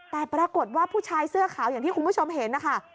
แต่ปรากฏว่าผู้ชายเสื้อขาวอย่างที่คุณผู้ชมเห็นนะคะ